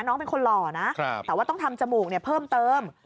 น้องเป็นคนหล่อนะแต่ว่าต้องทำจมูกเพิ่มเติม